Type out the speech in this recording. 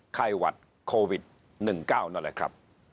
ไข้หวัดโควิด๑๙นั่นแหละครับ